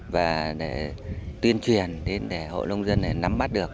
và tuyên truyền để hộ nông dân nắm bắt được